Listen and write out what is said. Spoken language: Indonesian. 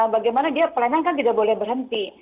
bagaimana dia pelayanan kan tidak boleh berhenti